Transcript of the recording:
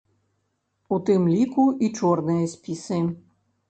У тым ліку, і чорныя спісы.